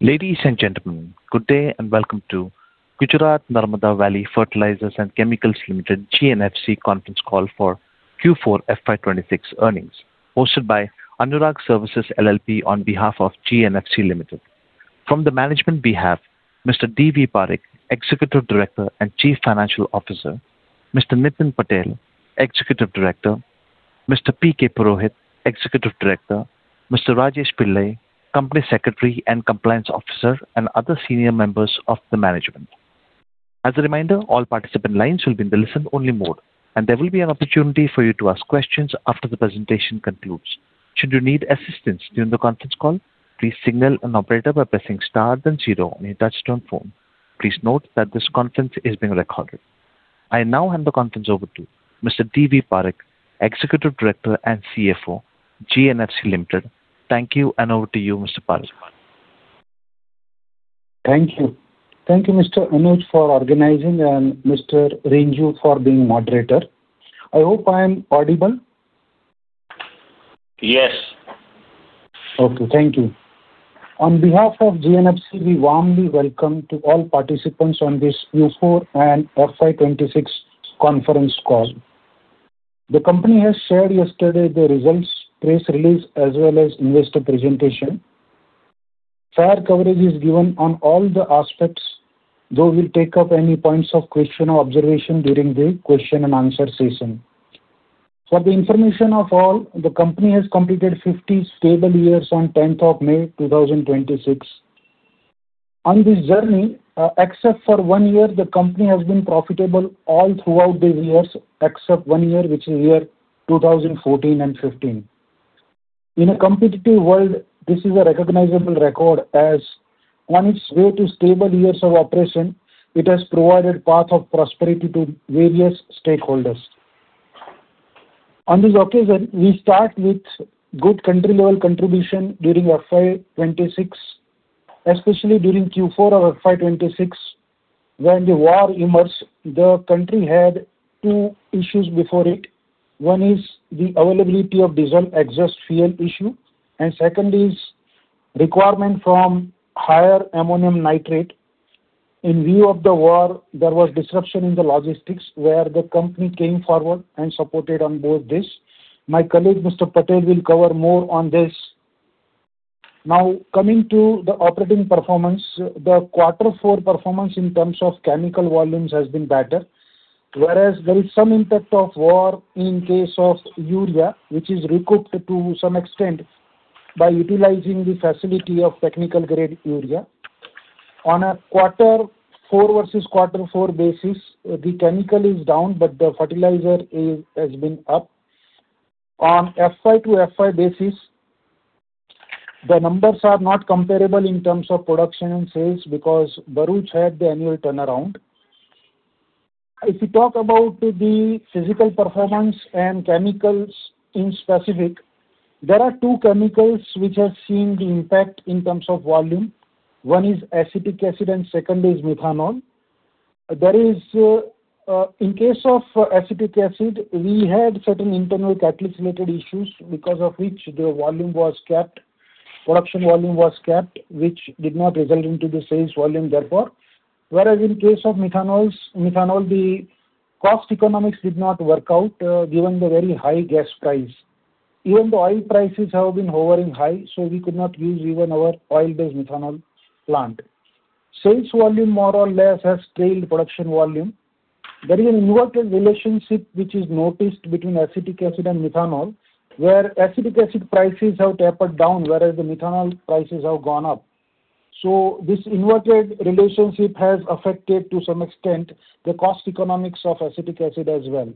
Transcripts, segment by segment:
Ladies and gentlemen, good day and welcome to Gujarat Narmada Valley Fertilizers and Chemicals Limited, GNFC conference call for Q4 FY 2026 earnings, hosted by Anurag Services LLP on behalf of GNFC Limited. From the management we have Mr. D.V. Parikh, Executive Director and Chief Financial Officer, Mr. Nitin Patel, Executive Director, Mr. P.K. Purohit, Executive Director, Mr. Rajesh Pillai, Company Secretary and Compliance Officer, and other senior members of the management. As a reminder, all participant lines will be in listen only mode, and there will be an opportunity for you to ask questions after the presentation concludes. Should you need assistance during the conference call, please signal an operator by pressing star then zero on your touchtone phone. Please note that this conference is being recorded. I now hand the conference over to Mr. D.V. Parikh, Executive Director and CFO, GNFC Limited. Thank you, over to you, Mr. Parikh. Thank you. Thank you, Mr. Anuj, for organizing and Mr. Renju for being moderator. I hope I am audible. Yes. Okay. Thank you. On behalf of GNFC, we warmly welcome to all participants on this Q4 and FY 2026 conference call. The company has shared yesterday the results, press release as well as investor presentation. Fair coverage is given on all the aspects, though we'll take up any points of question or observation during the question and answer session. For the information of all, the company has completed 50 stable years on 10th of May, 2026. On this journey, except for one year, the company has been profitable all throughout the years, except one year, which is year 2014 and 2015. In a competitive world, this is a recognizable record as on its way to stable years of operation, it has provided path of prosperity to various stakeholders. On this occasion, we start with good country level contribution during FY 2026, especially during Q4 of FY 2026. When the war emerged, the country had two issues before it. One is the availability of diesel exhaust fuel issue. Second is requirement from higher Ammonium Nitrate. In view of the war, there was disruption in the logistics, where the company came forward and supported on both this. My colleague, Mr. Patel, will cover more on this. Coming to the operating performance. The quarter four performance in terms of chemical volumes has been better. There is some impact of war in case of urea, which is recouped to some extent by utilizing the facility of Technical Grade Urea. On a quarter four versus quarter four basis, the chemical is down. The fertilizer has been up. On FY-to-FY basis, the numbers are not comparable in terms of production and sales because Bharuch had the annual turnaround. If you talk about the physical performance and chemicals in specific, there are two chemicals which have seen the impact in terms of volume. One is acetic acid, and second is methanol. There is in case of acetic acid, we had certain internal catalyst related issues because of which production volume was capped, which did not result into the sales volume therefore. Whereas in case of methanol, the cost economics did not work out given the very high gas price. Even the oil prices have been hovering high, so we could not use even our oil-based methanol plant. Sales volume more or less has scaled production volume. There is an inverted relationship which is noticed between acetic acid and methanol, where acetic acid prices have tapered down, whereas the methanol prices have gone up. This inverted relationship has affected to some extent the cost economics of acetic acid as well.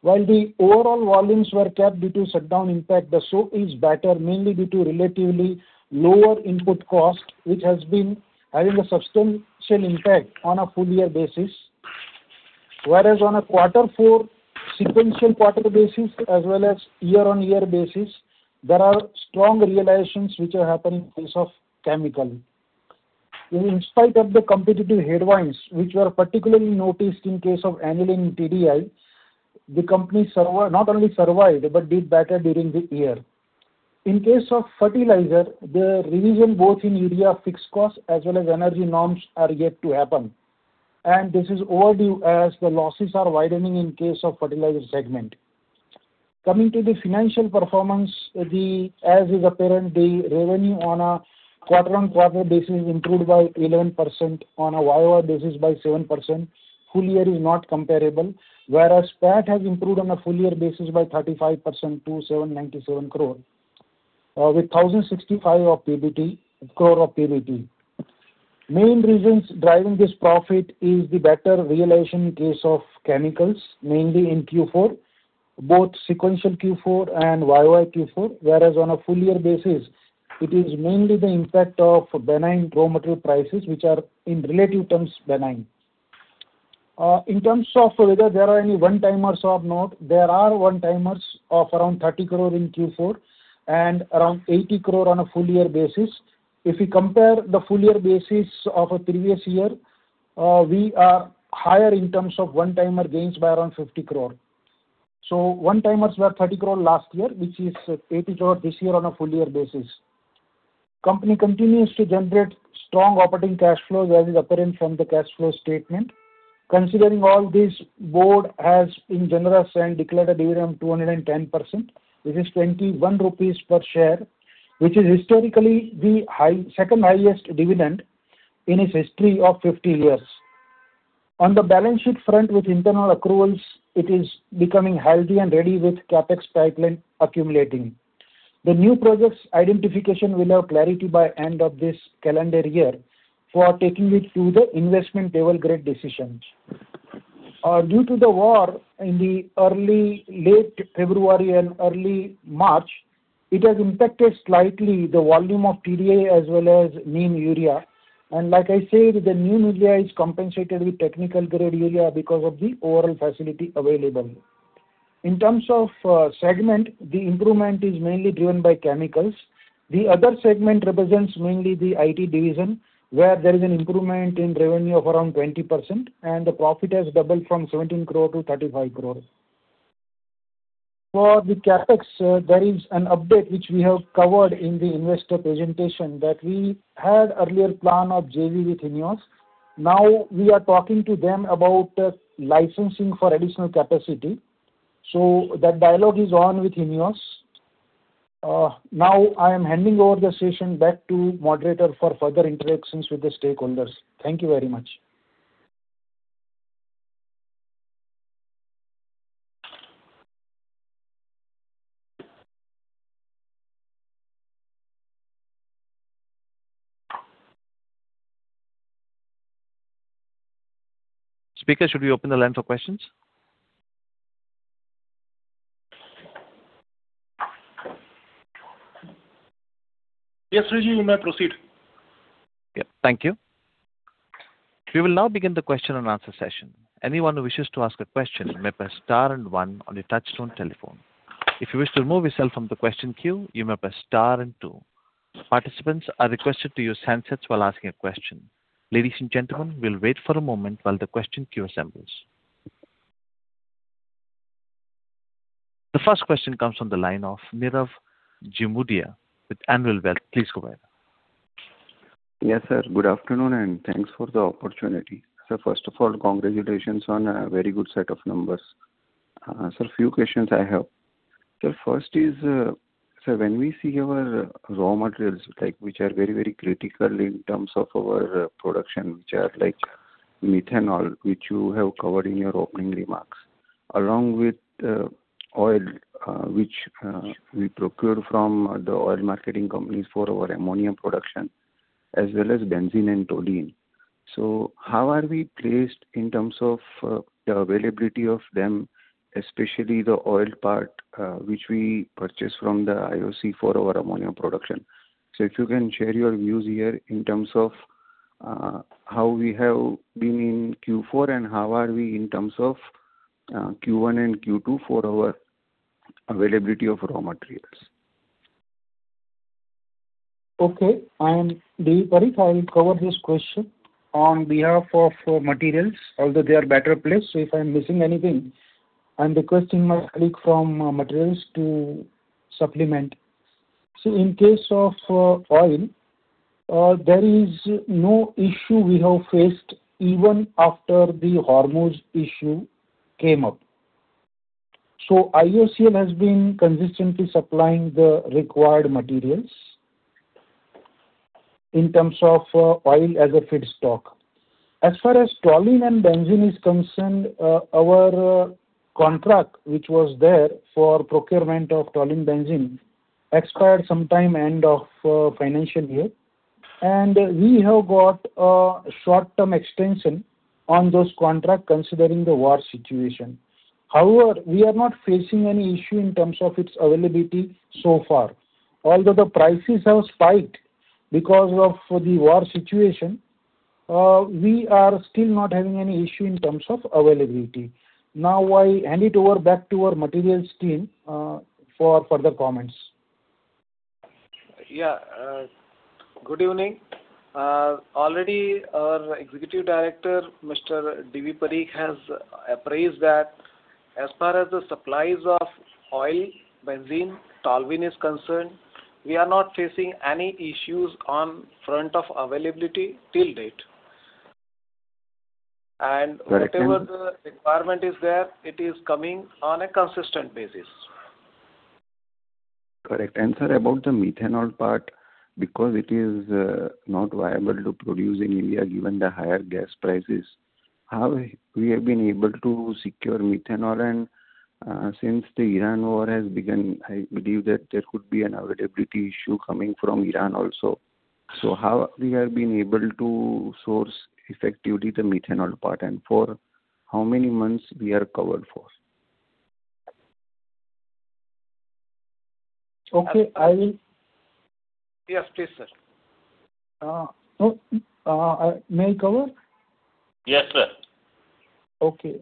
While the overall volumes were capped due to shutdown impact, the soap is better, mainly due to relatively lower input cost, which has been having a substantial impact on a full year basis. On a quarter four sequential quarter basis as well as year-on-year basis, there are strong realizations which are happening in case of chemical. In spite of the competitive headwinds, which were particularly noticed in case of aniline TDI, the company not only survived, but did better during the year. In case of fertilizer, the revision both in urea fixed costs as well as energy norms are yet to happen. This is overdue as the losses are widening in case of fertilizer segment. Coming to the financial performance, as is apparent, the revenue on a quarter-on-quarter basis improved by 11% on a YoY basis by 7%. Full year is not comparable. PAT has improved on a full year basis by 35% to 797 crore, with 1,065 crore of PBT. Main reasons driving this profit is the better realization in case of chemicals, mainly in Q4, both sequential Q4 and YoY Q4. On a full year basis, it is mainly the impact of benign raw material prices which are in relative terms benign. In terms of whether there are any one-timers or not, there are one-timers of around 30 crore in Q4 and around 80 crore on a full year basis. If we compare the full year basis of a previous year, we are higher in terms of one-timer gains by around 50 crore. One-timers were 30 crore last year, which is 80 crore this year on a full year basis. Company continues to generate strong operating cash flows, as is apparent from the cash flow statement. Considering all this, board has been generous and declared a dividend 210%, which is 21 rupees/share, which is historically the high second highest dividend in its history of 50 years. On the balance sheet front with internal accruals, it is becoming healthy and ready with CapEx pipeline accumulating. The new projects identification will have clarity by end of this calendar year for taking it to the investment table grade decisions. Due to the war in the early late February and early March, it has impacted slightly the volume of PDA as well as Neem urea. Like I said, the Neem urea is compensated with Technical Grade Urea because of the overall facility available. In terms of segment, the improvement is mainly driven by chemicals. The other segment represents mainly the IT division, where there is an improvement in revenue of around 20%, and the profit has doubled from 17 crore to 35 crore. For the CapEx, there is an update which we have covered in the investor presentation that we had earlier plan of JV with INEOS. Now we are talking to them about licensing for additional capacity. That dialogue is on with INEOS. Now I am handing over the session back to Moderator for further interactions with the stakeholders. Thank you very much. Speaker, should we open the line for questions? Yes, Renju, you may proceed. Yeah. Thank you. We will now begin the question and answer session. Anyone who wishes to ask a question, you may press star and one on your touchtone telephone. If you wish to remove yourself from the question queue, you may press star and two. Participants are requested to use handsets while asking a question. Ladies and gentlemen, we will wait for a moment while the question queue assembles. The first question comes from the line of Nirav Jimudia with Anvil Wealth. Please go ahead. Yes, sir. Good afternoon, and thanks for the opportunity. Sir, first of all, congratulations on a very good set of numbers. Sir, few questions I have. Sir, first is, sir, when we see our raw materials, like, which are very, very critical in terms of our production, which are like methanol, which you have covered in your opening remarks, along with, oil, which, we procure from the oil marketing companies for our ammonia production, as well as benzene and toluene. How are we placed in terms of, the availability of them, especially the oil part, which we purchase from the IOC for our ammonia production? If you can share your views here in terms of, how we have been in Q4 and how are we in terms of, Q1 and Q2 for our availability of raw materials. Okay. I'm D.V. Parikh, I will cover this question on behalf of raw materials, although they are better placed. If I'm missing anything, I'm requesting my colleague from materials to supplement. In case of oil, there is no issue we have faced even after the Hormuz issue came up. IOCL has been consistently supplying the required materials in terms of oil as a feedstock. As far as toluene and benzene is concerned, our contract which was there for procurement of toluene benzene expired sometime end of financial year. We have got a short-term extension on those contract considering the war situation. However, we are not facing any issue in terms of its availability so far. Although the prices have spiked because of the war situation, we are still not having any issue in terms of availability. I hand it over back to our materials team, for further comments. Good evening. Already our Executive Director, Mr. D.V. Parikh, has appraised that as far as the supplies of oil, benzene, toluene is concerned, we are not facing any issues on front of availability till date. Whatever the requirement is there, it is coming on a consistent basis. Correct. Sir, about the methanol part, because it is not viable to produce in India given the higher gas prices, how we have been able to secure methanol? Since the Iran war has begun, I believe that there could be an availability issue coming from Iran also. How we have been able to source effectively the methanol part, and for how many months we are covered for? Okay. Yes, please, sir. Oh. May I cover? Yes, sir. Okay.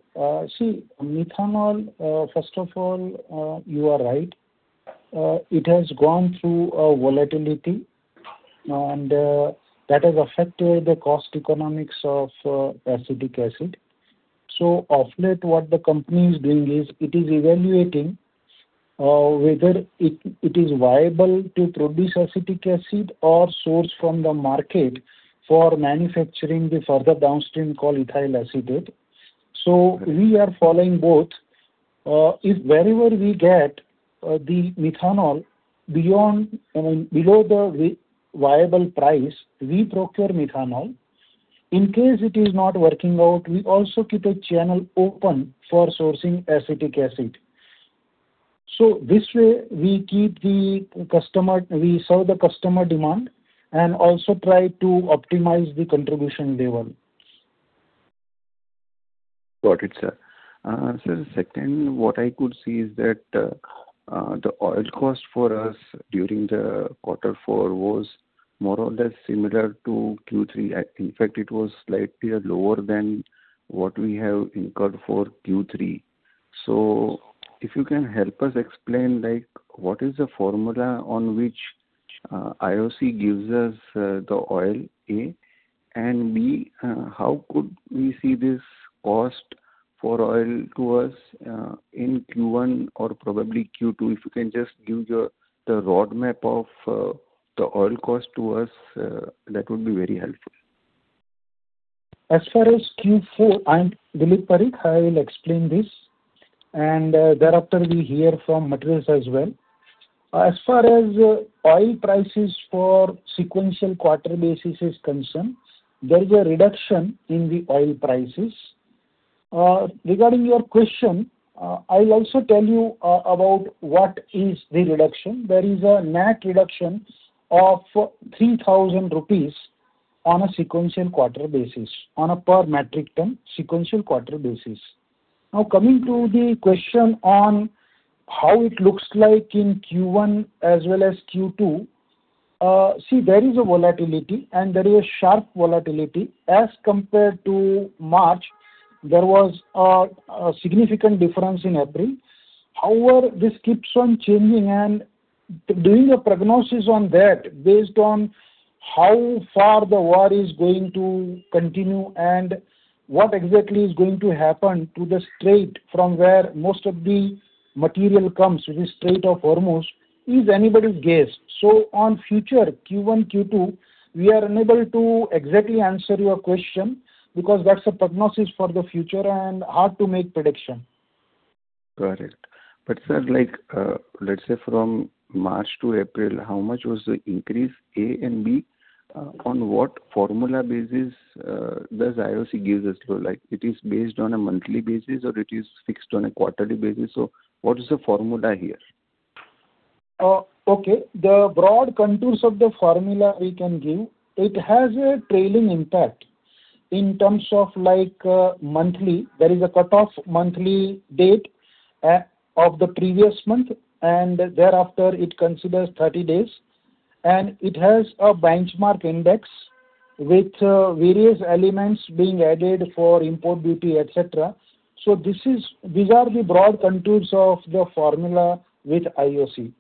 See, methanol, first of all, you are right. It has gone through a volatility. That has affected the cost economics of acetic acid. Off late, what the company is doing is it is evaluating whether it is viable to produce acetic acid or source from the market for manufacturing the further downstream called ethyl acetate. We are following both. If wherever we get the methanol beyond, I mean, below the viable price, we procure methanol. In case it is not working out, we also keep a channel open for sourcing acetic acid. This way we serve the customer demand and also try to optimize the contribution they want. Got it, sir. Sir, second, what I could see is that the oil cost for us during the quarter four was more or less similar to Q3. In fact, it was slightly lower than what we have incurred for Q3. If you can help us explain, like, what is the formula on which IOC gives us the oil, A. and B, how could we see this cost for oil to us in Q1 or probably Q2? If you can just give your the roadmap of the oil cost to us, that would be very helpful. As far as Q4, I'm D.V. Parikh. I will explain this, and thereafter we'll hear from materials as well. As far as oil prices for sequential quarter basis is concerned, there is a reduction in the oil prices. Regarding your question, I'll also tell you about what is the reduction. There is a net reduction of 3,000 rupees on a sequential quarter basis, on a per metric ton sequential quarter basis. Coming to the question on how it looks like in Q1 as well as Q2. See, there is a volatility, and there is sharp volatility. As compared to March, there was a significant difference in April. However, this keeps on changing, and doing a prognosis on that based on how far the war is going to continue and what exactly is going to happen to the Strait from where most of the material comes, the Strait of Hormuz, is anybody's guess. On future Q1, Q2, we are unable to exactly answer your question because that's a prognosis for the future and hard to make prediction. Got it. Sir, like, let's say from March to April, how much was the increase, A. B, on what formula basis does IOC gives us? Like, it is based on a monthly basis or it is fixed on a quarterly basis? What is the formula here? Okay. The broad contours of the formula we can give. It has a trailing impact in terms of, like, monthly. There is a cutoff monthly date of the previous month, and thereafter it considers 30 days. It has a benchmark index with various elements being added for import duty, et cetera. These are the broad contours of the formula with IOC.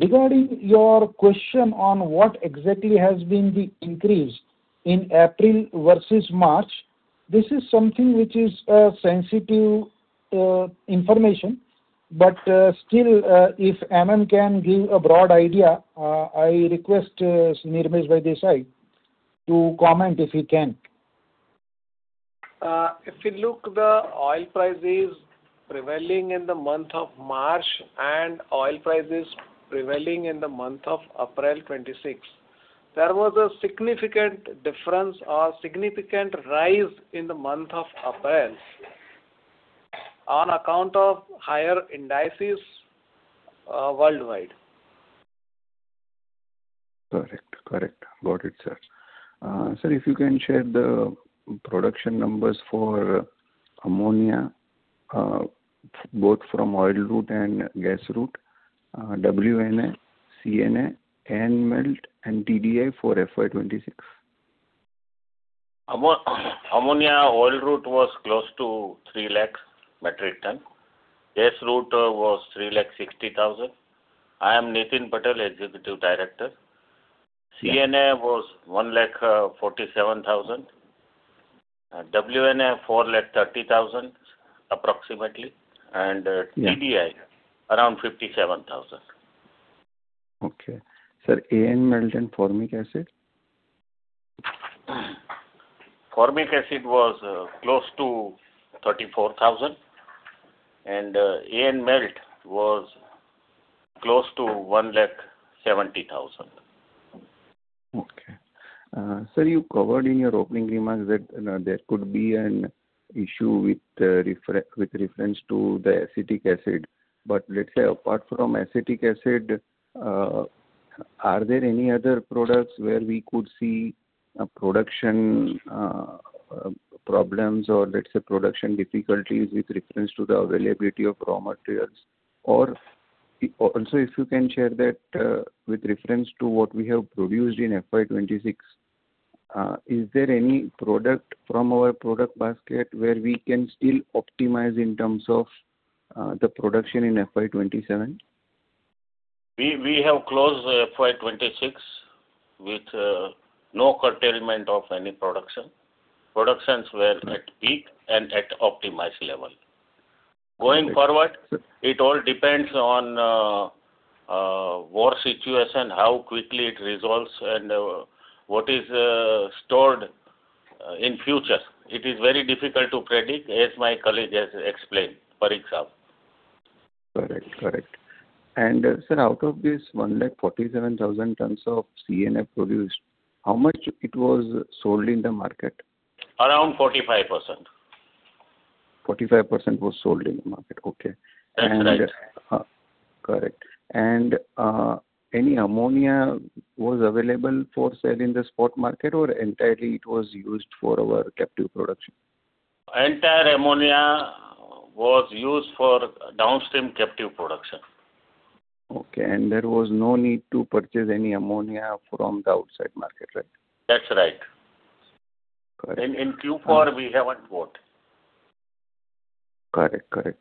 Regarding your question on what exactly has been the increase in April versus March, this is something which is sensitive information. Still, if Aman can give a broad idea, I request Nirmesh Vaidesai to comment if he can. If you look the oil prices prevailing in the month of March and oil prices prevailing in the month of April 26th, there was a significant difference or significant rise in the month of April on account of higher indices worldwide. Correct. Correct. Got it, sir. Sir, if you can share the production numbers for ammonia, both from oil route and gas route, WNA, CNA, AN melt and TDI for FY 2026. Ammonia oil route was close to 3 lakh metric ton. Gas route was 3 lakh 60,000 metric ton. I am Nitin Patel, Executive Director. CNA was 1 lakh 47,000 metric ton. WNA 4 lakh 30,000 metric ton approximately. TDI around 57,000 metric ton. Okay. Sir, AN melt and Formic Acid? Formic acid was close to 34,000 metric ton, and AN melt was close to 1 lakh 70,000 metric ton. Okay. sir, you covered in your opening remarks that there could be an issue with reference to the acetic acid. Let's say apart from acetic acid, are there any other products where we could see a production problems or let's say production difficulties with reference to the availability of raw materials? Also if you can share that with reference to what we have produced in FY 2026, is there any product from our product basket where we can still optimize in terms of the production in FY 2027? We have closed FY 2026 with no curtailment of any production. Productions were at peak and at optimized level. Going forward, it all depends on war situation, how quickly it resolves, and what is stored in future. It is very difficult to predict, as my colleague has explained, Parikh Sahab. Correct. Correct. Sir, out of this 1 lakh 47,000 tons of CNA produced, how much it was sold in the market? Around 45%. 45% was sold in the market. Okay. That's right. Correct. Any ammonia was available for sale in the spot market, or entirely it was used for our captive production? Entire ammonia was used for downstream captive production. Okay. There was no need to purchase any ammonia from the outside market, right? That's right. Correct. In Q4 we haven't bought. Correct. Correct.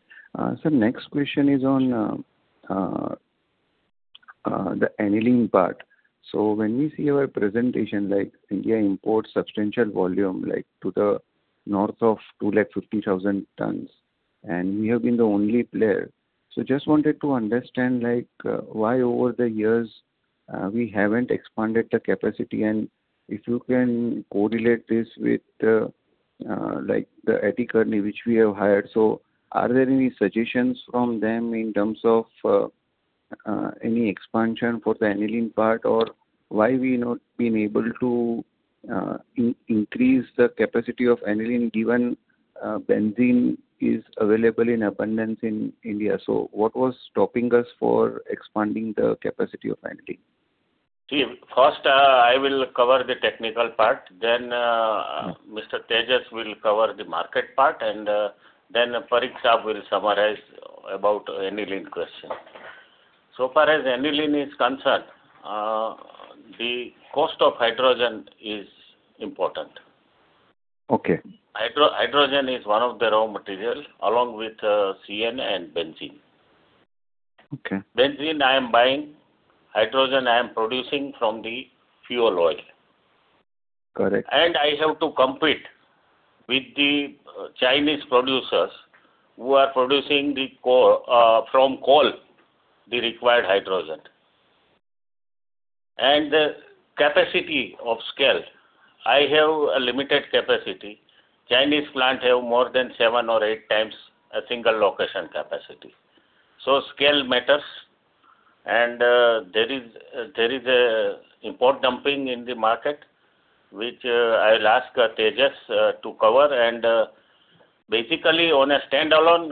Sir, next question is on the aniline part. When we see your presentation, like India imports substantial volume, like to the north of 2 lakh 50,000 tons, and we have been the only player. Just wanted to understand, like why over the years, we haven't expanded the capacity. If you can correlate this with the like the A.T. Kearney which we have hired. Are there any suggestions from them in terms of any expansion for the aniline part, or why we've not been able to increase the capacity of aniline, given benzene is available in abundance in India. What was stopping us for expanding the capacity of aniline? See, first, I will cover the technical part. Mr. Tejash will cover the market part, and then Parikh Sahab will summarize about aniline question. Far as aniline is concerned, the cost of hydrogen is important. Okay. Hydrogen is one of the raw material along with CNA and benzene. Okay. Benzene I am buying, hydrogen I am producing from the fuel oil. Correct. I have to compete with the Chinese producers who are producing from coal, the required hydrogen. The capacity of scale, I have a limited capacity. Chinese plant have more than seven or eight times a single location capacity. Scale matters. There is import dumping in the market, which I'll ask Tejash to cover. Basically, on a standalone,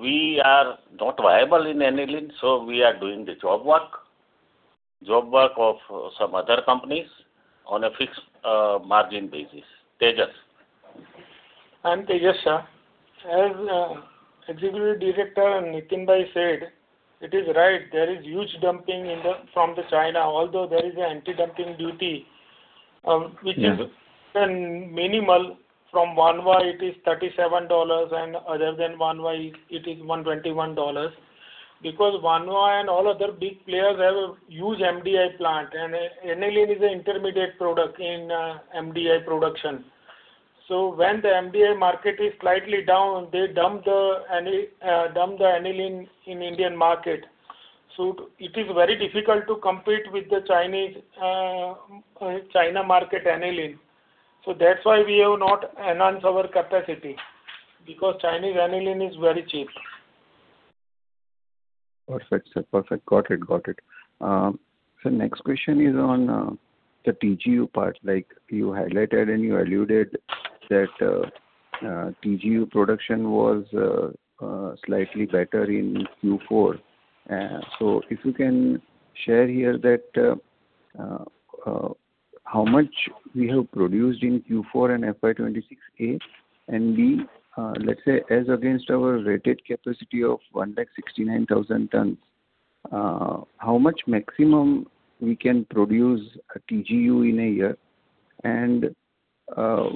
we are not viable in aniline, so we are doing the job work of some other companies on a fixed margin basis. Tejash? I'm Tejash, sir. As Executive Director Nitin Bhai said, it is right, there is huge dumping in the from the China. Although there is an anti-dumping duty. Which is then minimal. From Wanhua it is $37. Other than Wanhua, it is $121. Wanhua and all other big players have a huge MDI plant. Aniline is a intermediate product in MDI production. When the MDI market is slightly down, they dump the aniline in Indian market. It is very difficult to compete with the Chinese China market aniline. That's why we have not enhanced our capacity, because Chinese aniline is very cheap. Perfect, sir. Perfect. Got it. Got it. Next question is on the TGU part. You highlighted and you alluded that TGU production was slightly better in Q4. If you can share here that how much we have produced in Q4 and FY 2026, A. B, let's say as against our rated capacity of 1 lakh 69,000 tons, how much maximum we can produce a TGU in a year?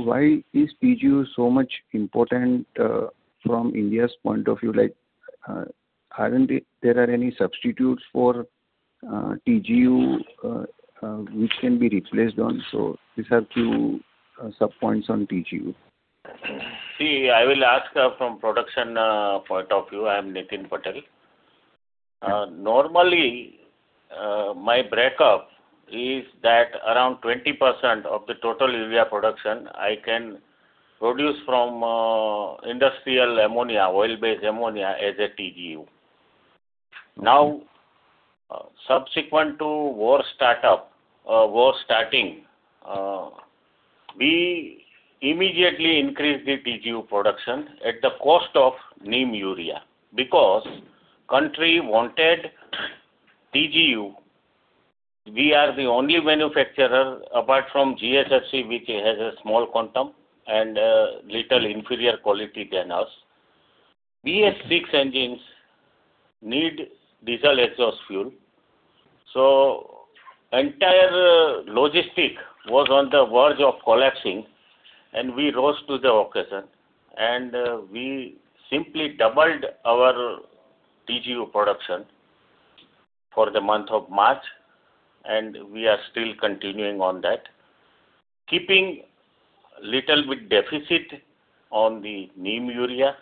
Why is TGU so much important from India's point of view? Aren't it there are any substitutes for TGU which can be replaced on. These are two sub points on TGU. I will ask from production point of view. I am Nitin Patel. Normally, my breakup is that around 20% of the total urea production I can produce from industrial ammonia, oil-based ammonia as a TGU. Subsequent to war startup, war starting, we immediately increased the TGU production at the cost of Neem urea, because country wanted TGU. We are the only manufacturer, apart from GSFC, which has a small quantum and little inferior quality than us. BS6 engines need diesel exhaust fuel. Entire logistic was on the verge of collapsing, and we rose to the occasion, and we simply doubled our TGU production for the month of March, and we are still continuing on that, keeping little bit deficit on the Neem urea,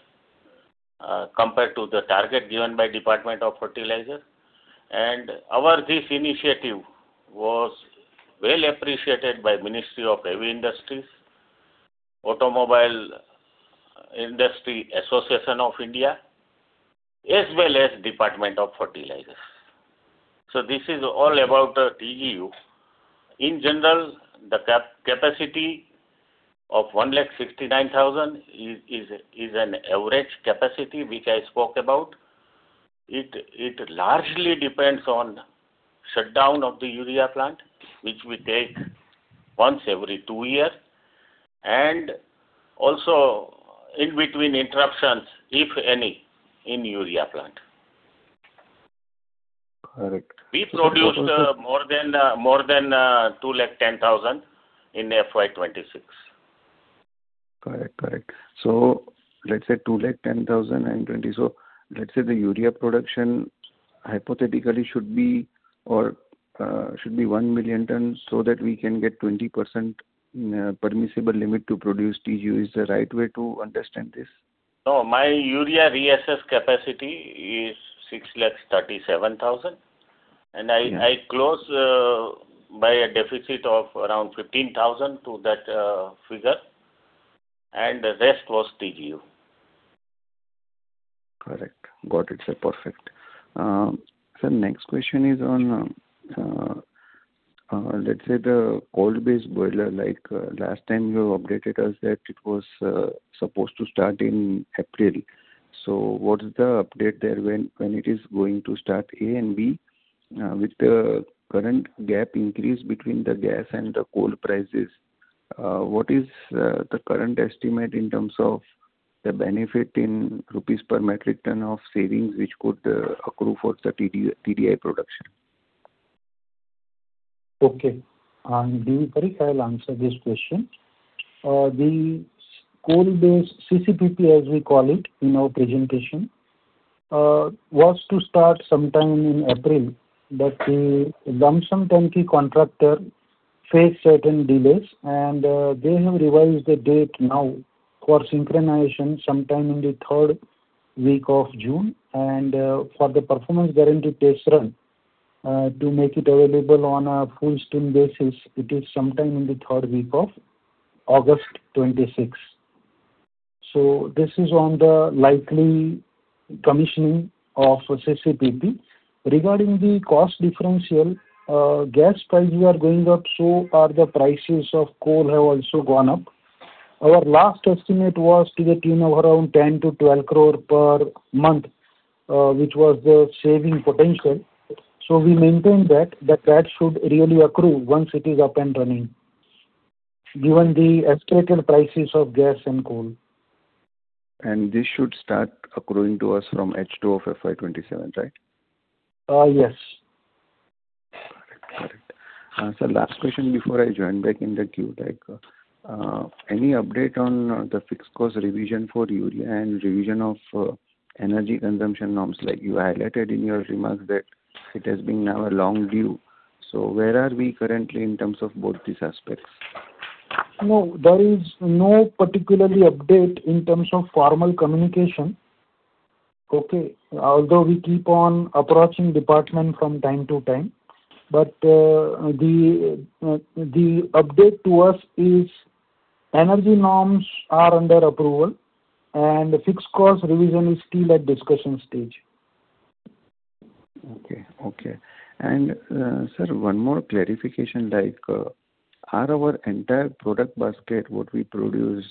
compared to the target given by Department of Fertilizers. Our this initiative was well appreciated by Ministry of Heavy Industries, Automobile Industry Association of India, as well as Department of Fertilizers. This is all about the TGU. In general, the capacity of 1 lakh 69,000 tons is an average capacity which I spoke about. It largely depends on shutdown of the urea plant, which we take once every two years, and also in between interruptions, if any, in urea plant. Correct. We produced more than 2 lakh 10,000 tons in FY 2026. Correct. Correct. Let's say 2 lakh 10,020 tons. Let's say the urea production hypothetically should be or should be 1,000,000 tons so that we can get 20% permissible limit to produce TGU. Is the right way to understand this? No. My urea reassessed capacity is 6 lakh 37,000 tons. I close by a deficit of around 15,000 tons to that figure, and the rest was TGU. Correct. Got it, sir. Perfect. Sir, next question is on, let's say the coal-based boiler, like, last time you updated us that it was supposed to start in April. What is the update there? When it is going to start? A, and B, with the current gap increase between the gas and the coal prices, what is the current estimate in terms of the benefit in rupees per metric ton of savings which could accrue for the TDI production? Okay. Being correct, I'll answer this question. The coal-based CCPP, as we call it in our presentation, was to start sometime in April. The lump sum turnkey contractor faced certain delays and they have revised the date now for synchronization sometime in the third week of June and for the performance guarantee test run to make it available on a full steam basis. It is sometime in the third week of August 2026. This is on the likely commissioning of CCPP. Regarding the cost differential, gas prices are going up, so are the prices of coal have also gone up. Our last estimate was to get, you know, around 10 crore-12 crore/month, which was the saving potential. We maintain that should really accrue once it is up and running, given the escalated prices of gas and coal. This should start accruing to us from H2 of FY 2027, right? Yes. Got it. Got it. Sir, last question before I join back in the queue. Like, any update on the fixed cost revision for urea and revision of energy consumption norms? Like you highlighted in your remarks that it has been now a long due. Where are we currently in terms of both these aspects? No, there is no particular update in terms of formal communication. Okay. Although we keep on approaching department from time to time. The update to us is energy norms are under approval and the fixed cost revision is still at discussion stage. Okay. Okay. Sir, one more clarification, like, are our entire product basket what we produce,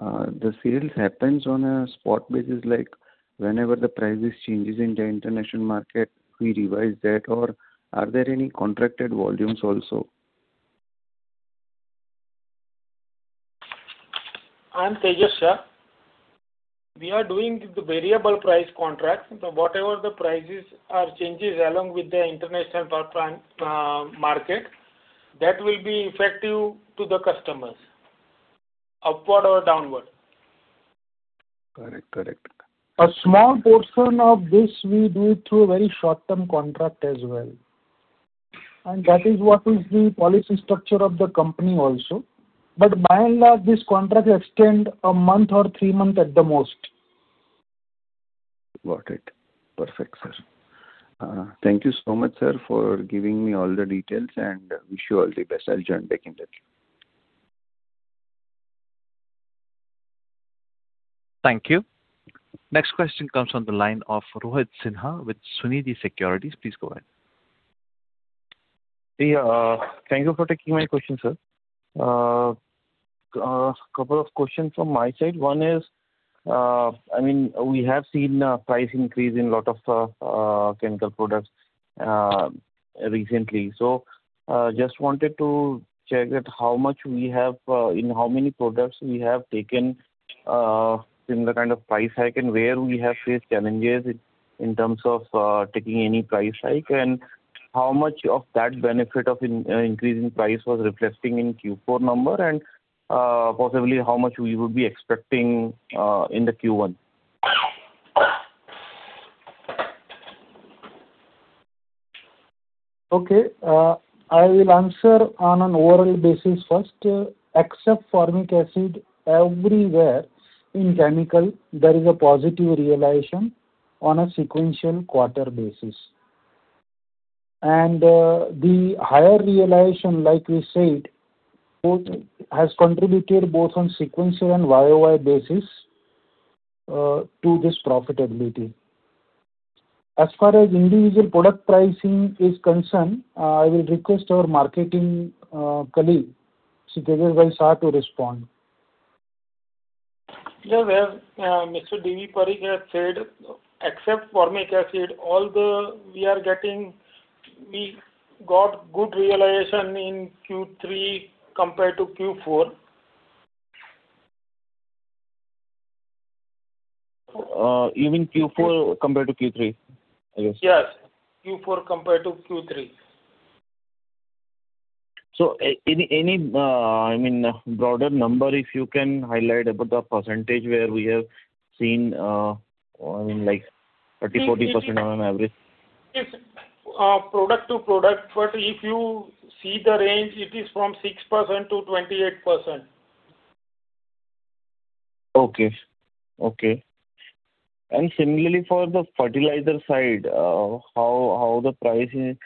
the sales happens on a spot basis, like whenever the prices changes in the international market, we revise that? Or are there any contracted volumes also? I'm Tejash Shah. We are doing the variable price contract. Whatever the prices are changes along with the international power plant market, that will be effective to the customers, upward or downward. Correct. Correct. A small portion of this we do through a very short-term contract as well. That is what is the policy structure of the company also. By and large, this contract extend a month or three month at the most. Got it. Perfect, sir. Thank you so much, sir, for giving me all the details, and wish you all the best. I'll join back in the queue. Thank you. Next question comes on the line of Rohit Sinha with Sunidhi Securities. Please go ahead. Yeah. Thank you for taking my question, sir. Couple of questions from my side. One is, I mean, we have seen price increase in lot of chemical products recently. Just wanted to check that how much we have in how many products we have taken similar kind of price hike and where we have faced challenges in terms of taking any price hike. How much of that benefit of in increase in price was reflecting in Q4 number and possibly how much we would be expecting in the Q1? Okay. I will answer on an overall basis first. Except formic acid, everywhere in chemical there is a positive realization on a sequential quarter basis. The higher realization, like we said, both has contributed both on sequential and YoY basis to this profitability. Individual product pricing is concerned, I will request our marketing colleague, Mr. Tejash Shah to respond. Where Mr. D.V. Parikh has said, except formic acid, we got good realization in Q3 compared to Q4. You mean Q4 compared to Q3, I guess? Yes, Q4 compared to Q3. Any, I mean, broader number if you can highlight about the percentage where we have seen, I mean like 30%, 40% on an average. It's product to product, but if you see the range, it is from 6%-28%. Okay. Okay. Similarly for the fertilizer side, how the pricing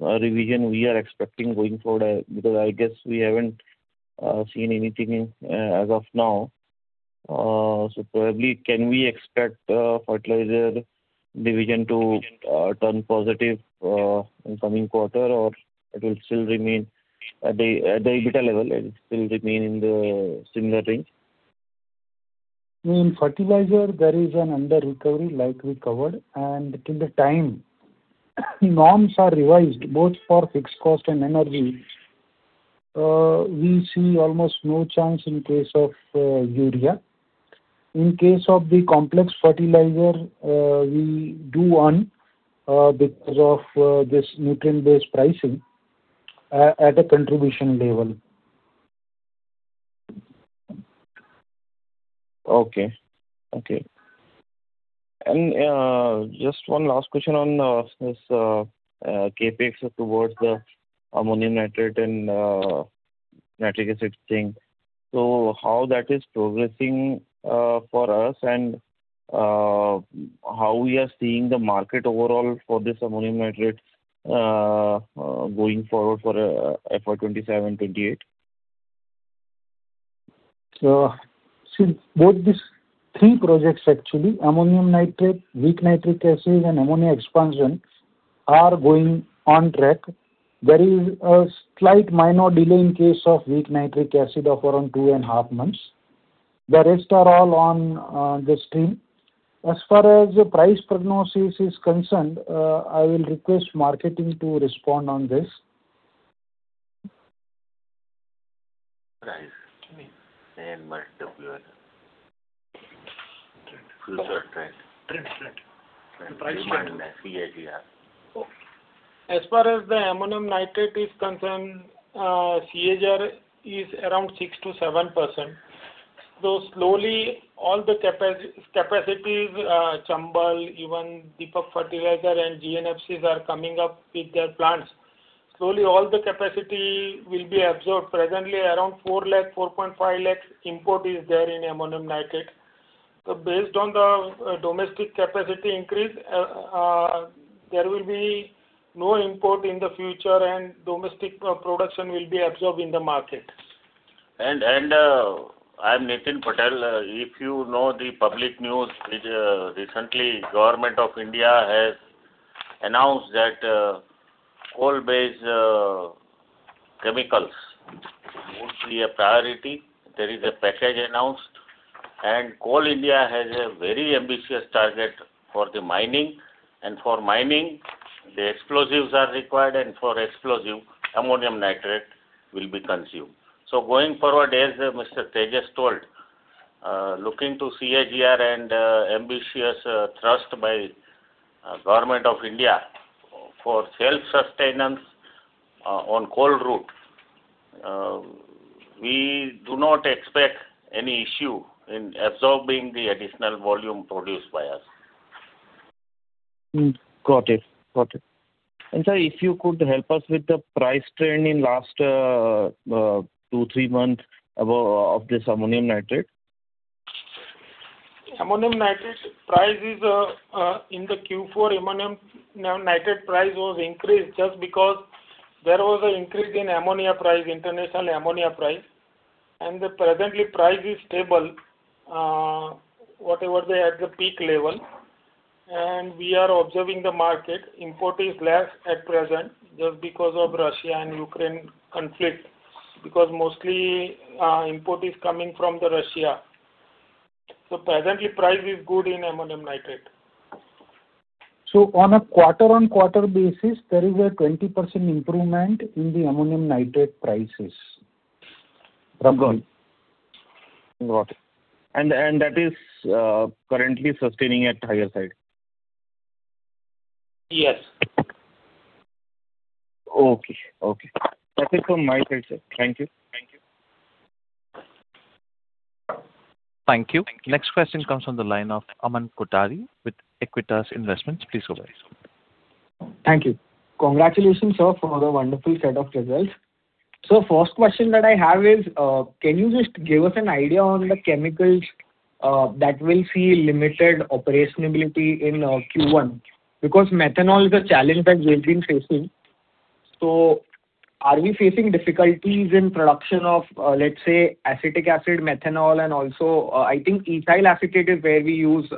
revision we are expecting going forward, because I guess we haven't seen anything as of now. Probably can we expect fertilizer division to turn positive in coming quarter, or it will still remain at the EBITDA level, it will still remain in the similar range? In fertilizer there is an under-recovery like we covered. Till the time norms are revised both for fixed cost and energy, we see almost no chance in case of urea. In case of the complex fertilizer, we do earn, because of this nutrient-based pricing at a contribution level. Okay. Okay. Just one last question on this CapEx towards the Ammonium Nitrate and nitric acid thing. How that is progressing for us and how we are seeing the market overall for this Ammonium Nitrate going forward for FY 2027, 2028? Both these three projects actually, Ammonium Nitrate, weak nitric acid, and ammonia expansion are going on track. There is a slight minor delay in case of weak nitric acid of around two and a half months. The rest are all on the stream. As far as the price prognosis is concerned, I will request marketing to respond on this. Price. I mean, AN. Future price. Price trend. Demand CAGR. As far as the Ammonium Nitrate is concerned, CAGR is around 6%-7%, though slowly all the capacities, Chambal, even Deepak Fertilisers and GNFC's are coming up with their plants. Slowly all the capacity will be absorbed. Presently around 4 lakh tons, 4.5 lakh tons import is there in Ammonium Nitrate. Based on the domestic capacity increase, there will be no import in the future and domestic production will be absorbed in the market. I'm Nitin Patel. If you know the public news which recently Government of India has announced that coal-based chemicals would be a priority. There is a package announced. Coal India has a very ambitious target for the mining. For mining, the explosives are required, and for explosive, Ammonium Nitrate will be consumed. Going forward, as Mr. Tejash told, looking to CAGR and ambitious thrust by Government of India for self-sustenance on coal route, we do not expect any issue in absorbing the additional volume produced by us. Got it. Got it. Sir, if you could help us with the price trend in last two, three months about of this Ammonium Nitrate? Ammonium Nitrate price is in the Q4, Ammonium Nitrate price was increased just because there was an increase in ammonia price, international ammonia price. Presently price is stable, whatever they at the peak level. Import is less at present just because of Russia and Ukraine conflict, because mostly, import is coming from the Russia. Presently price is good in Ammonium Nitrate. On a quarter-on-quarter basis, there is a 20% improvement in the Ammonium Nitrate prices. [Ramgopal.] Got it. That is, currently sustaining at higher side? Yes. Okay. Okay. That's it from my side, sir. Thank you. Thank you. Next question comes on the line of Aman Kothari with Aequitas Investments. Please go ahead, sir. Thank you. Congratulations, sir, for the wonderful set of results. First question that I have is, can you just give us an idea on the chemicals that will see limited operationability in Q1? Because methanol is a challenge that we've been facing. Are we facing difficulties in production of, let's say, acetic acid, methanol, and also, I think ethyl acetate is where we use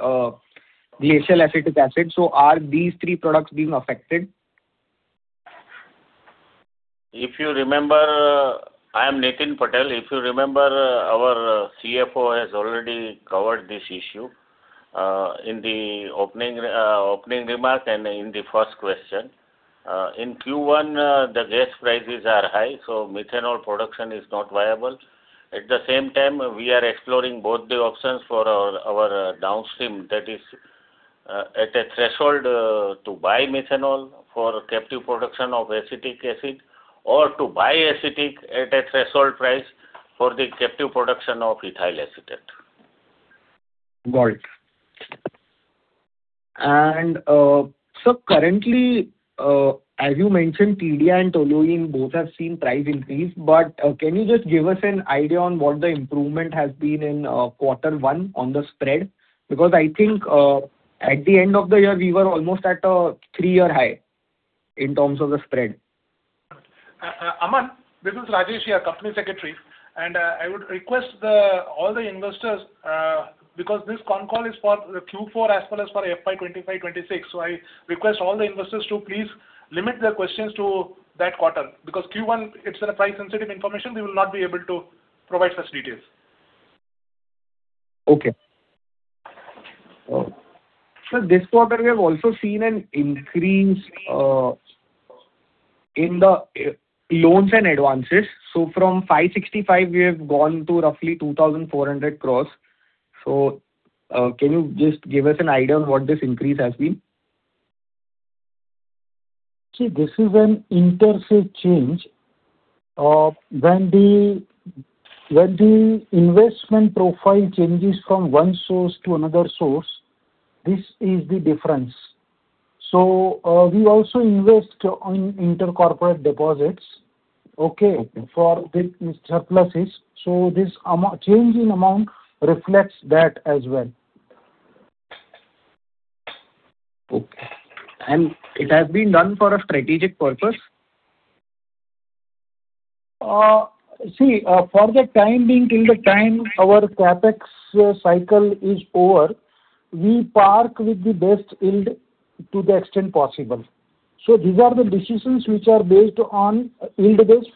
glacial acetic acid. Are these three products being affected? I am Nitin Patel. If you remember, our CFO has already covered this issue in the opening remark and in the first question. In Q1, the gas prices are high, methanol production is not viable. We are exploring both the options for our downstream, that is, at a threshold, to buy methanol for captive production of acetic acid or to buy acetic at a threshold price for the captive production of ethyl acetate. Got it. Sir, currently, as you mentioned, TDI and toluene both have seen price increase. Can you just give us an idea on what the improvement has been in quarter one on the spread? I think, at the end of the year, we were almost at a three-year high in terms of the spread. Aman, this is Rajesh here, company secretary. I would request all the investors, because this con call is for Q4 as well as for FY 2025, 2026. I request all the investors to please limit their questions to that quarter. Q1, it's a price-sensitive information, we will not be able to provide such details. Okay, sir, this quarter we have also seen an increase in the loans and advances. From 565, we have gone to roughly 2,400 crores. Can you just give us an idea on what this increase has been? See, this is an [inter-state] change of when the investment profile changes from one source to another source. This is the difference. We also invest on intercorporate deposits, okay, for the surpluses. This change in amount reflects that as well. Okay. It has been done for a strategic purpose? See, for the time being, till the time our CapEx cycle is over, we park with the best yield to the extent possible. These are the decisions which are based on yield base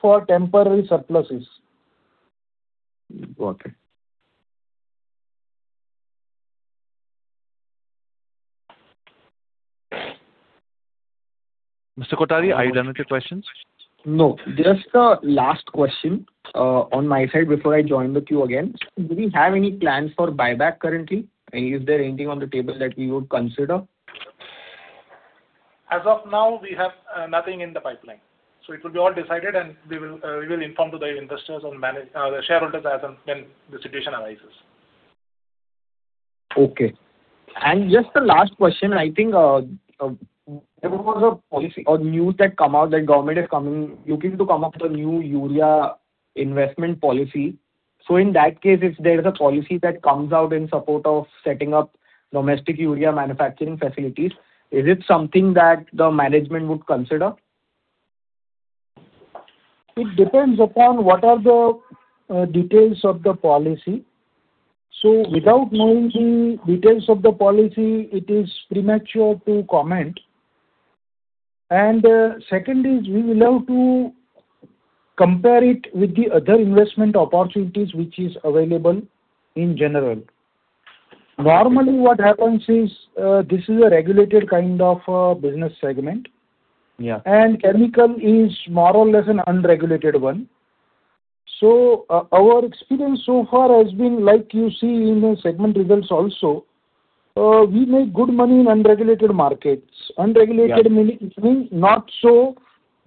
for temporary surpluses. Got it. Mr. Kothari, are you done with your questions? Just a last question on my side before I join the queue again. Do we have any plans for buyback currently? Is there anything on the table that we would consider? As of now, we have nothing in the pipeline. It will be all decided, and we will inform to the investors on the shareholders as and when the situation arises. Okay. Just a last question. I think, there was a policy or news that come out that government is coming, looking to come up with a new urea investment policy. In that case, if there is a policy that comes out in support of setting up domestic urea manufacturing facilities, is it something that the management would consider? It depends upon what are the details of the policy. Without knowing the details of the policy, it is premature to comment. Second is we will have to compare it with the other investment opportunities which is available in general. Normally, what happens is, this is a regulated kind of a business segment. Yeah. Chemical is more or less an unregulated one. Our experience so far has been like you see in the segment results also. We make good money in unregulated markets. Yeah. Unregulated meaning not so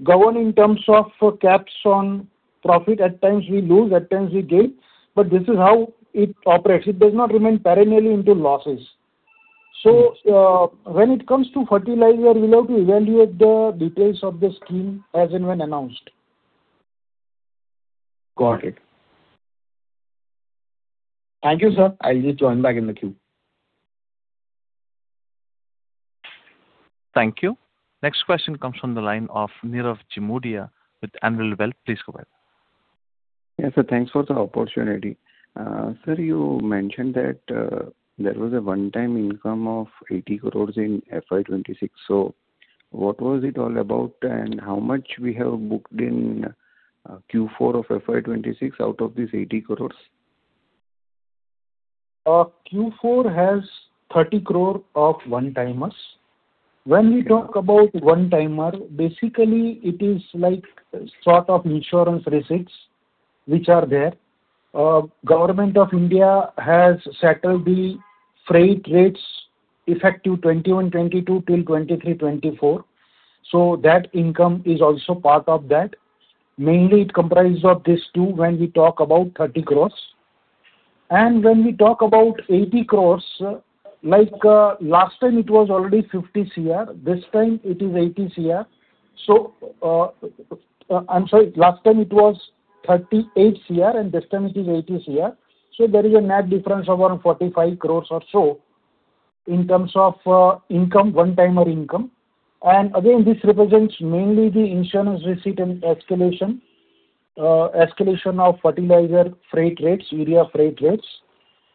governed in terms of caps on profit. At times we lose, at times we gain, but this is how it operates. It does not remain perennially into losses. When it comes to fertilizer, we'll have to evaluate the details of the scheme as and when announced. Got it. Thank you, sir. I'll just join back in the queue. Thank you. Next question comes from the line of Nirav Jimudia with Anvil Wealth. Please go ahead. Yeah, sir. Thanks for the opportunity. Sir, you mentioned that there was a one-time income of 80 crores in FY 2026. What was it all about and how much we have booked in Q4 of FY 2026 out of this 80 crores? Q4 has 30 crore of one-timers. We talk about one-timer, basically it is like sort of insurance receipts which are there. Government of India has settled the freight rates effective 2021-2022 till 2023-2024. That income is also part of that. Mainly it comprises of these two when we talk about 30 crore. We talk about 80 crore, like, last time it was already 50 CR, this time it is 80 CR. I'm sorry, last time it was 38 CR, and this time it is 80 CR. There is a net difference of around 45 crore or so in terms of income, one-timer income. Again, this represents mainly the insurance receipt and escalation of fertilizer freight rates, urea freight rates.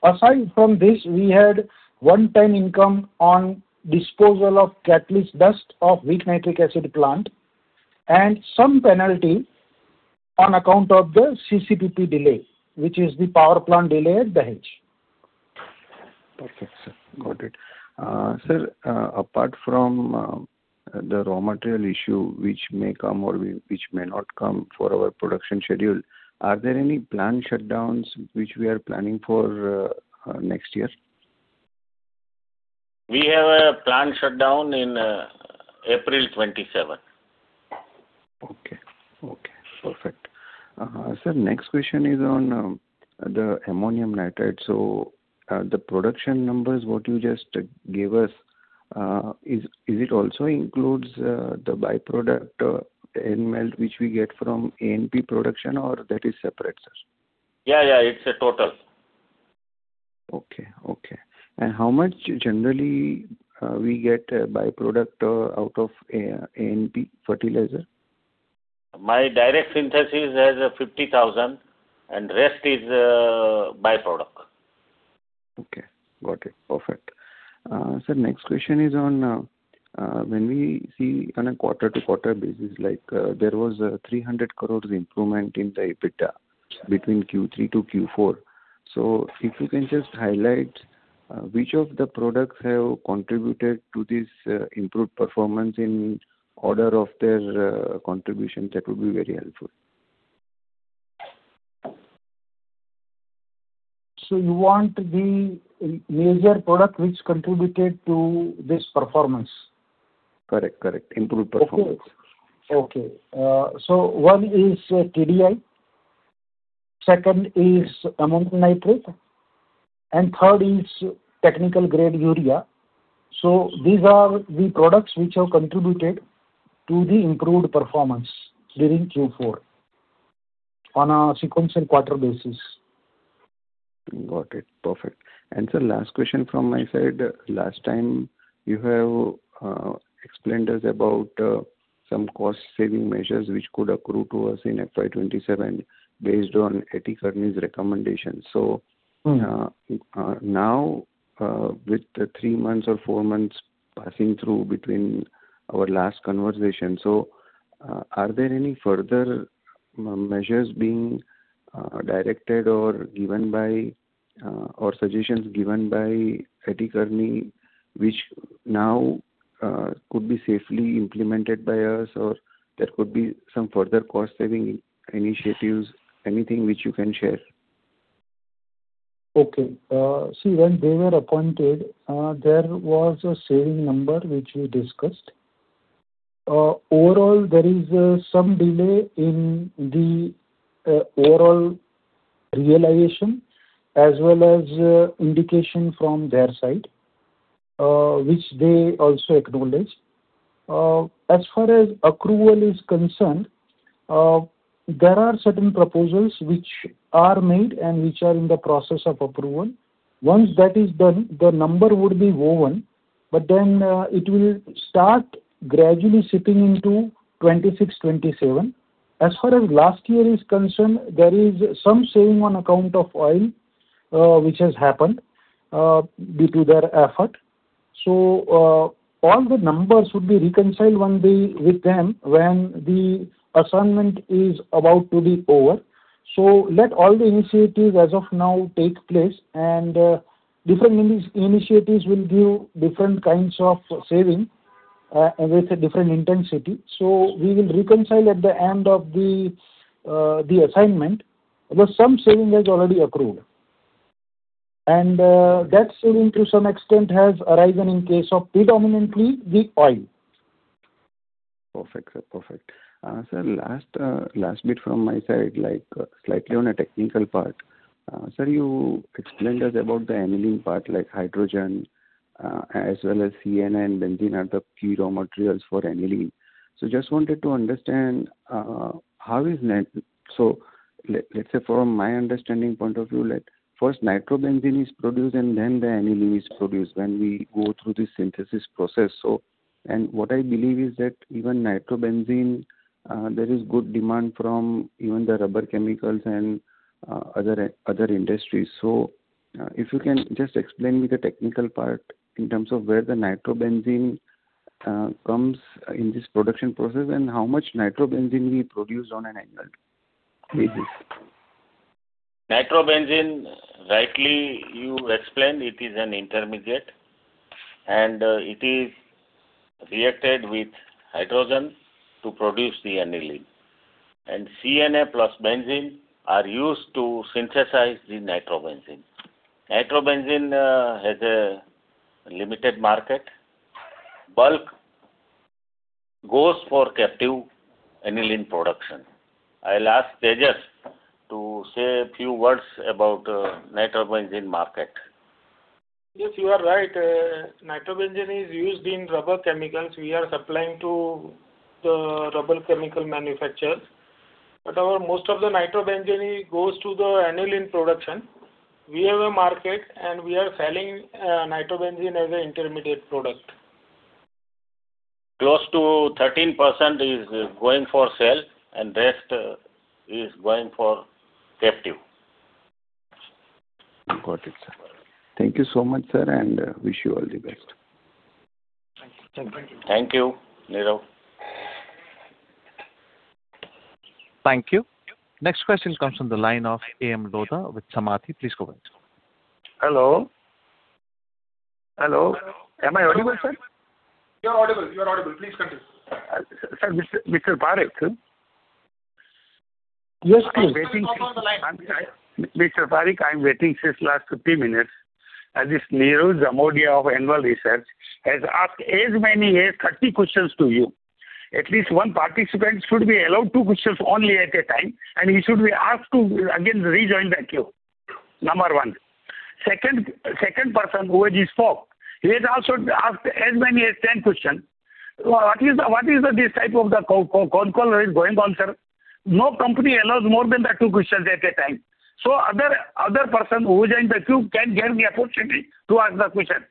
Aside from this, we had one-time income on disposal of catalyst dust of weak nitric acid plant and some penalty on account of the CCPP delay, which is the power plant delay at Dahej. Perfect, sir. Got it. Sir, apart from the raw material issue which may come or which may not come for our production schedule, are there any plant shutdowns which we are planning for next year? We have a plant shutdown in April 2027. Okay. Okay, perfect. Sir, next question is on the Ammonium Nitrate. The production numbers what you just gave us, is it also includes the by-product AN melt which we get from ANP production or that is separate, sir? Yeah, yeah, it's a total. Okay, okay. How much generally we get by-product out of ANP fertilizer? My direct synthesis has 50,000 tons, and rest is by-product. Okay. Got it. Perfect. Sir, next question is on, when we see on a quarter-to-quarter basis, like, there was a 300 crore improvement in the EBITDA between Q3 to Q4. If you can just highlight, which of the products have contributed to this improved performance in order of their contribution, that would be very helpful. You want the major product which contributed to this performance? Correct. Improved performance. Okay. Okay. One is TDI, second is Ammonium Nitrate, and third is Technical Grade Urea. These are the products which have contributed to the improved performance during Q4 on a sequential quarter basis. Got it. Perfect. Sir, last question from my side. Last time you have explained us about some cost saving measures which could accrue to us in FY 2027 based on A.T. Kearney's recommendations. Now, with the three months or four months passing through between our last conversation, are there any further measures being directed or given by or suggestions given by A.T. Kearney which now could be safely implemented by us, or there could be some further cost saving initiatives, anything which you can share? See, when they were appointed, there was a saving number which we discussed. Overall, there is some delay in the overall realization as well as indication from their side, which they also acknowledge. As far as accrual is concerned, there are certain proposals which are made and which are in the process of approval. Once that is done, the number would be woven, it will start gradually slipping into 2026, 2027. As far as last year is concerned, there is some saving on account of oil, which has happened due to their effort. All the numbers would be reconciled one day with them when the assignment is about to be over. Let all the initiatives as of now take place, different initiatives will give different kinds of saving with a different intensity. We will reconcile at the end of the assignment. Some saving has already accrued. That saving to some extent has arisen in case of predominantly the oil. Perfect, sir. Perfect. Sir, last bit from my side, like slightly on a technical part. Sir, you explained us about the aniline part, like hydrogen, as well as CNA and benzene are the key raw materials for aniline. Just wanted to understand, let's say from my understanding point of view, like first nitrobenzene is produced and then the aniline is produced when we go through the synthesis process. What I believe is that even nitrobenzene, there is good demand from even the rubber chemicals and, other industries. If you can just explain me the technical part in terms of where the nitrobenzene comes in this production process and how much nitrobenzene we produce on an annual. Nitrobenzene, rightly you explained, it is an intermediate, and it is reacted with hydrogen to produce the aniline. CNA plus benzene are used to synthesize the nitrobenzene. Nitrobenzene has a limited market. Bulk goes for captive aniline production. I'll ask Tejash to say a few words about nitrobenzene market. Yes, you are right. Nitrobenzene is used in rubber chemicals. We are supplying to the rubber chemical manufacturers. Our most of the nitrobenzene goes to the aniline production. We have a market, and we are selling nitrobenzene as a intermediate product. Close to 13% is going for sale. Rest is going for captive. Got it, sir. Thank you so much, sir, and wish you all the best. Thank you. Thank you, Nirav. Thank you. Next question comes from the line of [A.M. Doda with Samati]. Please go ahead. Hello. Hello. Am I audible, sir? You're audible. You're audible. Please continue. Sir, Mr. Parikh. Yes, please. Mr. Parikh, I'm waiting since last 15 minutes, as this Nirav Jimudia of Anvil Wealth has asked as many as 30 questions to you. At least one participant should be allowed two questions only at a time, and he should be asked to again rejoin the queue. Number one. Second person who has just spoke, he has also asked as many as 10 question. What is the this type of the con call is going on, sir? No company allows more than the two questions at a time. Other person who has joined the queue can get the opportunity to ask the question.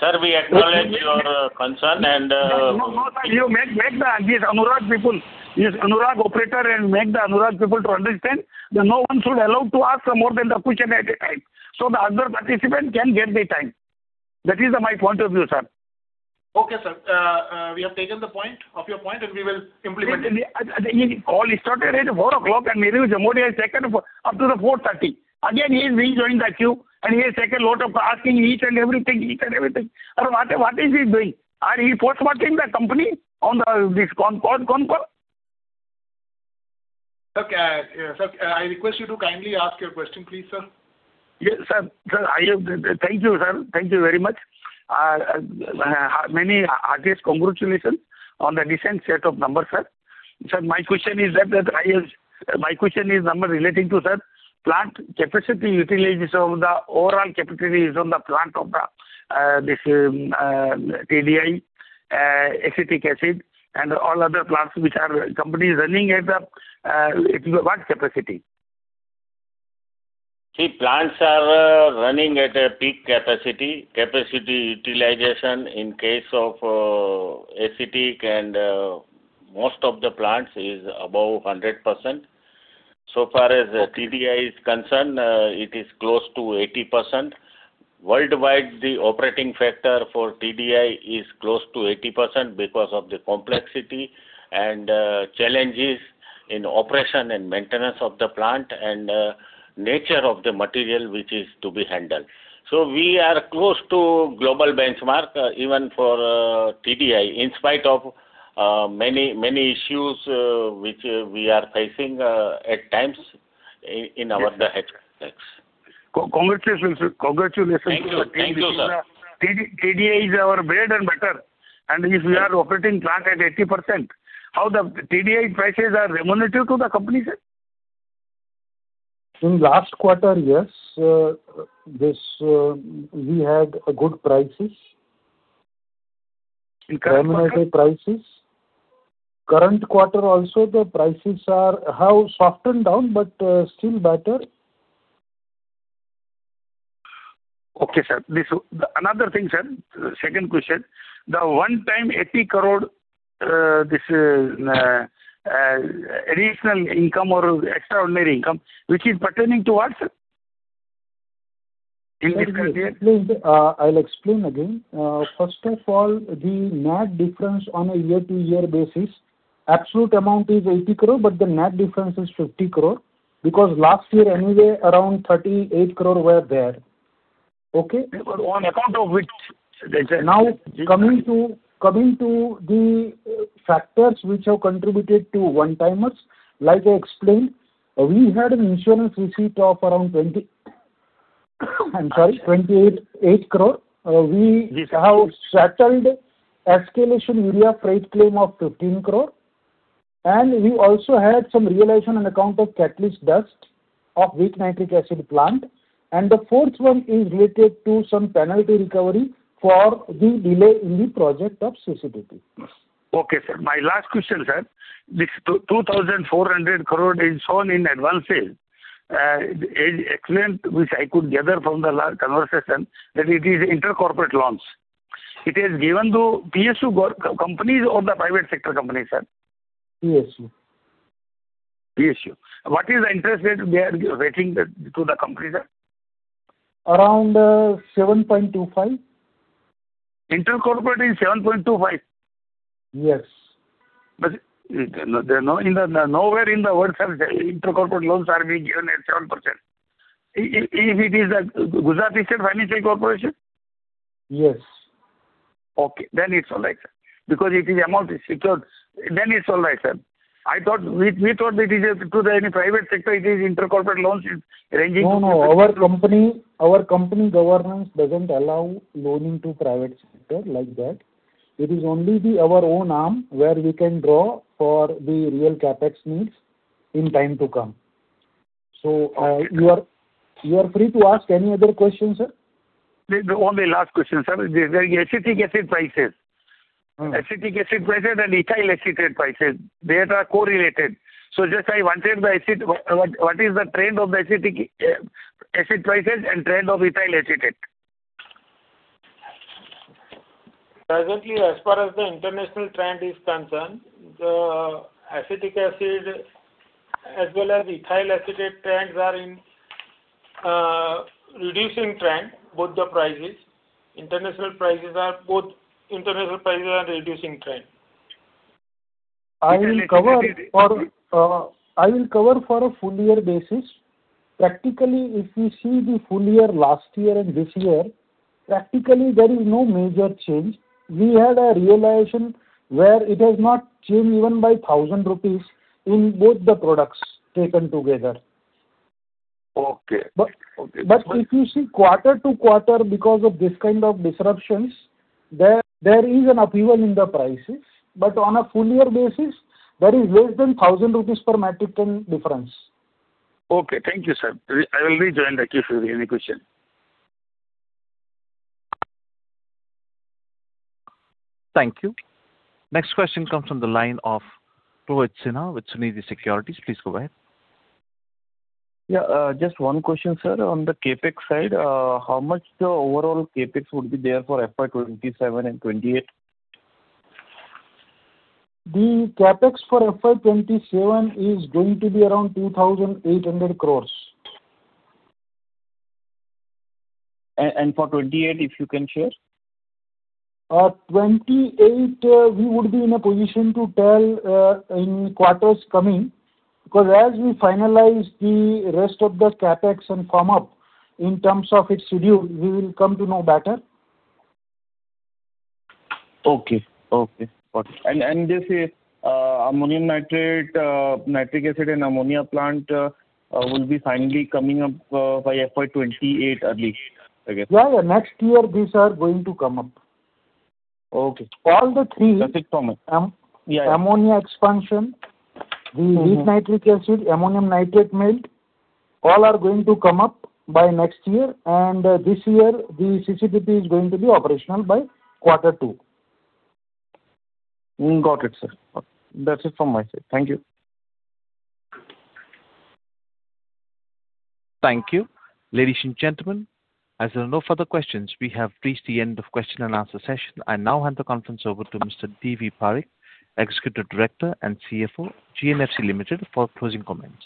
Sir, we acknowledge your concern and- No, no, sir. You make the Anurag people, this Anurag operator and make the Anurag people to understand that no one should allow to ask more than the question at a time, so the other participant can get the time. That is my point of view, sir. Okay, sir. We have taken your point, we will implement it. The call started at 4:00, and Nirav Jimudia has taken up to the 4:30. Again, he is rejoining the queue, and he has taken lot of asking each and everything. What is he doing? Are he force marking the company on the this con call? Sir, sir, I request you to kindly ask your question, please, sir. Yes, sir. Sir, I have the. Thank you, sir. Thank you very much. Many congratulations on the decent set of numbers, sir. Sir, my question is number relating to, sir, plant capacity utilization of the overall capacities on the plant of this TDI, acetic acid and all other plants which are companies running at what capacity? Plants are running at a peak capacity. Capacity utilization in case of, acetic and, most of the plants is above 100%. So far, as TDI is concerned, it is close to 80%. Worldwide, the operating factor for TDI is close to 80% because of the complexity and challenges in operation and maintenance of the plant and nature of the material which is to be handled. We are close to global benchmark, even for TDI, in spite of many issues which we are facing at times in our the headquarter. Congratulations, sir. Congratulations to the team. Thank you. Thank you, sir. TDI is our bread and butter. If we are operating plant at 80%, how the TDI prices are remunerative to the company, sir? In last quarter, yes, this, we had a good prices. Correct. Remunerative prices. Current quarter also the prices have softened down, still better. Okay, sir. This, another thing, sir, second question. The one-time INR 80 crore additional income or extraordinary income, which is pertaining to what, sir, in this current year? I'll explain again. First of all, the net difference on a year-to-year basis, absolute amount is 80 crore, but the net difference is 50 crore because last year anyway around 38 crore were there. Okay. On account of which, sir, exactly? Now coming to the factors which have contributed to one-timers, like I explained, we had an insurance receipt of around, I'm sorry, 28 crore. This- Have settled escalation urea freight claim of 15 crore. We also had some realization on account of catalyst dust of weak nitric acid plant. The fourth one is related to some penalty recovery for the delay in the project of CCPP. Okay, sir. My last question, sir. This 2,400 crore is shown in advance sales. It is explained, which I could gather from the conversation, that it is intercorporate loans. It is given to PSU companies or the private sector companies, sir? PSU. What is the interest rate they are giving to the company, sir? Around 7.25%. Intercorporate is 7.25%. Yes. Nowhere in the world intercorporate deposits are being given at 7%. Is it the Gujarat State Financial Corporation? Yes. Okay, it's all right, sir. It is amount is secured. It's all right, sir. I thought we thought that it is to the any private sector, it is intercorporate loans. No, no. Our company, our company governance doesn't allow loaning to private sector like that. It is only the our own arm where we can draw for the real CapEx needs in time to come. You are free to ask any other question, sir. The only last question, sir, the acetic acid prices? Acetic acid prices and ethyl acetate prices, they are correlated. Just I wanted the acid, what is the trend of the acetic acid prices and trend of ethyl acetate? Presently, as far as the international trend is concerned, the acetic acid as well as ethyl acetate trends are in reducing trend, both the prices. International prices are reducing trend. I will cover for a full year basis. Practically, if we see the full year last year and this year, practically there is no major change. We had a realization where it has not changed even by 1,000 rupees in both the products taken together. Okay. Okay. If you see quarter to quarter because of this kind of disruptions, there is an upheaval in the prices. On a full year basis, there is less than 1,000 rupees/metric ton difference. Okay. Thank you, sir. I will rejoin back if there's any question. Thank you. Next question comes from the line of Rohit Sinha with Sunidhi Securities. Please go ahead. Yeah, just one question, sir. On the CapEx side, how much the overall CapEx would be there for FY 2027 and 2028? The CapEx for FY 2027 is going to be around 2,800 crores. For 2028, if you can share? 2028, we would be in a position to tell, in quarters coming, because as we finalize the rest of the CapEx and come up in terms of its schedule, we will come to know better. Okay. Okay. Got it. Just the Ammonium Nitrate, nitric acid and ammonia plant will be finally coming up by FY 2028 at least, I guess. Yeah, yeah. Next year these are going to come up. Okay. All the three- That's it from me. Yeah, yeah. -ammonia expansion, the weak nitric acid, Ammonium Nitrate melt, all are going to come up by next year. This year the CCPP is going to be operational by quarter two. Got it, sir. That's it from my side. Thank you. Thank you. Ladies and gentlemen, as there are no further questions, we have reached the end of question and answer session. I now hand the conference over to Mr. D.V. Parikh, Executive Director and CFO, GNFC Limited for closing comments.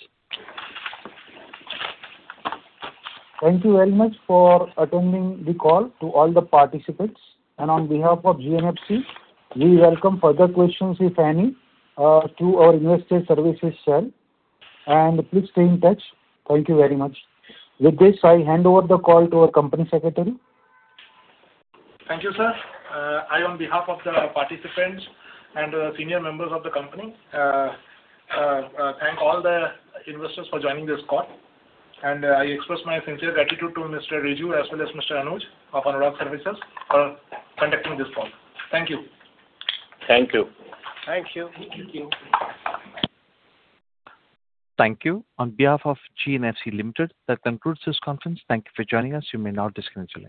Thank you very much for attending the call to all the participants. On behalf of GNFC, we welcome further questions, if any, to our investor services cell. Please stay in touch. Thank you very much. With this, I hand over the call to our Company Secretary. Thank you, sir. I, on behalf of the participants and senior members of the company, thank all the investors for joining this call, and I express my sincere gratitude to Mr. Raju as well as Mr. Anuj of Anurag Services for conducting this call. Thank you. Thank you. Thank you. Thank you. Thank you. On behalf of GNFC Limited, that concludes this conference. Thank you for joining us. You may now disconnect your lines.